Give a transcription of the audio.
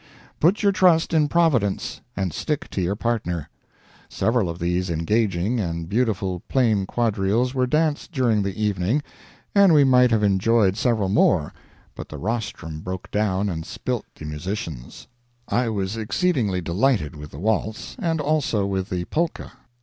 Put your trust in Providence and stick to your partner. Several of these engaging and beautiful plain quadrilles were danced during the evening, and we might have enjoyed several more, but the rostrum broke down and spilt the musicians. I was exceedingly delighted with the waltz, and also with the polka.